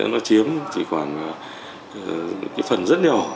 nó chiếm chỉ khoảng phần rất nhiều